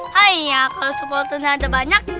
haiya kalau supportnya ada banyak